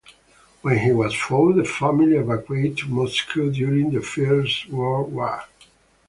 When he was four the family evacuated to Moscow during the First World War.